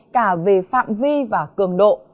cả về phạm vi và cường độ